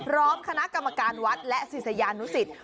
พร้อมคณะกรรมการวัดและศิษยานุสิต